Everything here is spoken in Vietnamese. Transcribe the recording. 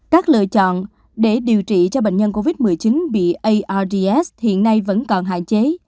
các lựa chọn để điều trị cho bệnh nhân covid một mươi chín bị ards hiện nay vẫn còn hạn chế